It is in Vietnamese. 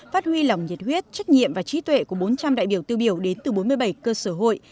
phát huy lòng nhiệt huyết trách nhiệm và trí tuệ của bốn trăm linh đại biểu tiêu biểu đến từ bốn mươi bảy cơ sở hội